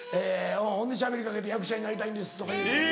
ほんでしゃべりかけて「役者になりたいんです」とか言うて。